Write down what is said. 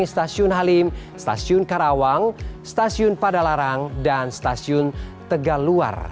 stasiun halim stasiun karawang stasiun pada larang dan stasiun tegal luar